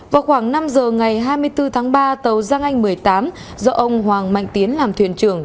vào khoảng năm giờ ngày hai mươi bốn tháng ba tàu giang anh một mươi tám do ông hoàng mạnh tiến làm thuyền trưởng